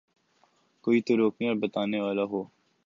کوئی تو روکنے اور بتانے والا ہو۔